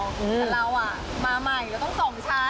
แต่เราอ่ะมาใหม่แล้วต้องสองชั้น